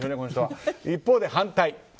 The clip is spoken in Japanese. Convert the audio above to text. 一方で反対。